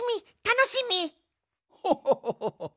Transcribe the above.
ホホホホホホ。